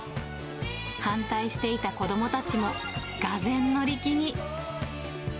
反対していた子どもたちも、俄然乗り気に。